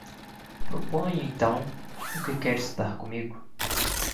Proponha, então, o que quer estudar comigo.